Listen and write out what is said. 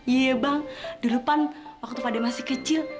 iya bang di depan waktu pada masih kecil